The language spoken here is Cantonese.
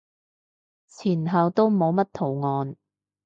前後都冇乜圖案